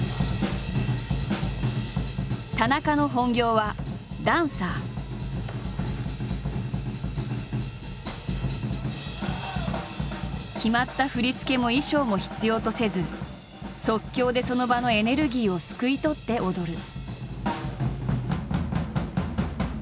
田中の本業は決まった振り付けも衣装も必要とせず即興でその場のエネルギーをすくい取って踊る。